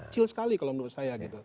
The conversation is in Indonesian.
kecil sekali kalau menurut saya gitu